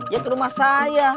ya ke rumah saya